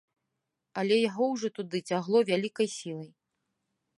Але яго ўжо туды цягло вялікай сілай.